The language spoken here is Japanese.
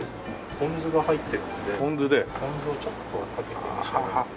ポン酢が入っているのでポン酢をちょっとかけて召し上がって。